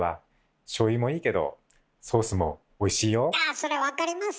あそれ分かります。